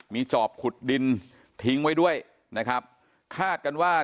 มีจอบขุดดินทิ้งไว้ด้วยนะครับคาดกันว่า